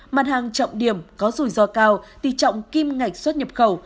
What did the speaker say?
mặt hàng trọng điểm có rủi ro cao tỷ trọng kim ngạch xuất nhập khẩu